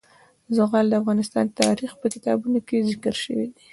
زغال د افغان تاریخ په کتابونو کې ذکر شوی دي.